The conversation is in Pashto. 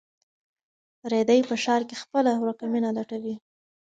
رېدی په ښار کې خپله ورکه مینه لټوي.